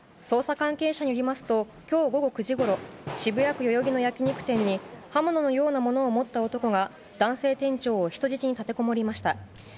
捜査関係者によりますと今日午後９時ごろ渋谷区代々木の焼き肉店に刃物のようなものを持った男が男性店長を人質に立てこもりました。